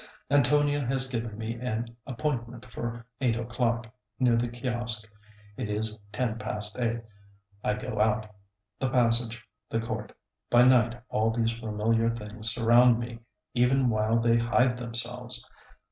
Antonia has given me an appointment for eight o'clock, near the Kiosk. It is ten past eight. I go out. The passage, the court, by night all these familiar things surround me even while they hide themselves.